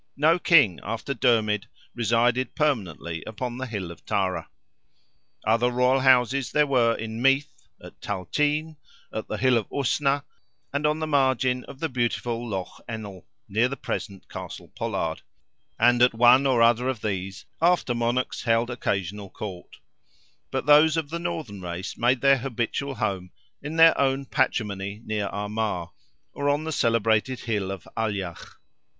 No king after Dermid resided permanently upon the hill of Tara. Other royal houses there were in Meath—at Tailteen, at the hill of Usna, and on the margin of the beautiful Lough Ennell, near the present Castlepollard, and at one or other of these, after monarchs held occasional court; but those of the northern race made their habitual home in their own patrimony near Armagh, or on the celebrated hill of Aileach.